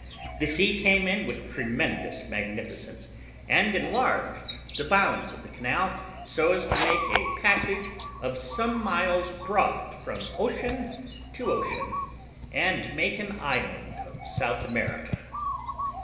The sea came in with tremendous magnificence, and enlarged the bounds of the canal, so as to make a passage of some miles broad from ocean to ocean, and make an island of South America.